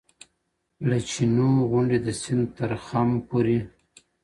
له چینو غونډۍ د سیند تر خم پورې